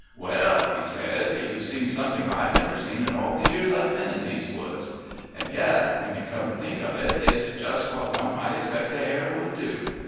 "Well," he said, "you've seen something I've never seen in all the years I've been in these woods. And yet, when you come to think of it, it's just what one might expect a hare would do.